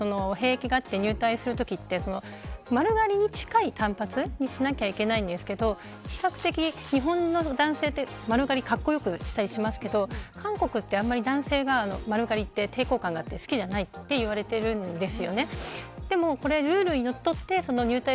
韓国は兵役があって入隊するときは丸刈りに近い短髪にしなきゃいけないんですけど比較的、日本の男性は丸刈りかっこよくしますけど韓国はあんまり男性が丸刈りは抵抗感があって好きじゃないと言われているんです。